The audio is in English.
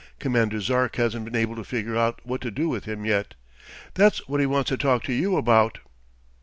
Commander Zark hasn't been able to figure out what to do with him, yet. That's what he wants to talk to you about."